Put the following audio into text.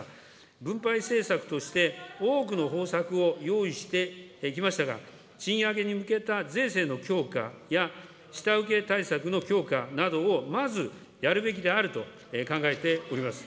分配政策として、多くの方策を用意していきましたが、賃上げに向けた税制の強化や、下請け対策の強化などをまずやるべきであると考えております。